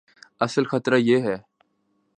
اصل خطرہ یہ ہے۔